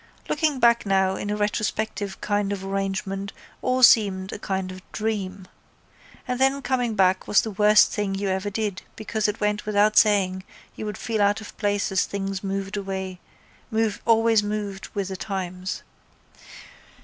Looking back now in a retrospective kind of arrangement all seemed a kind of dream. And then coming back was the worst thing you ever did because it went without saying you would feel out of place as things always moved with the times.